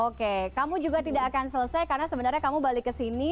oke kamu juga tidak akan selesai karena sebenarnya kamu balik ke sini